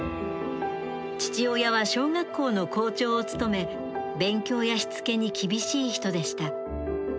父親は小学校の校長を務め勉強やしつけに厳しい人でした。